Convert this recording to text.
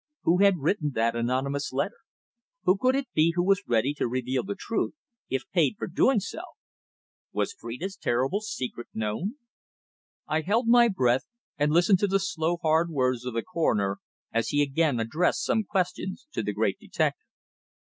Who had written that anonymous letter? Who could it be who was ready to reveal the truth if paid for doing so? Was Phrida's terrible secret known? I held my breath, and listened to the slow, hard words of the coroner, as he again addressed some questions to the great detective.